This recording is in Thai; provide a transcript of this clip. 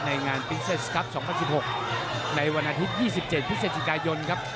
ในงานปิกเซสครับ๒๐๑๖ในวันอาทิตย์๒๗พฤศจิกายนครับ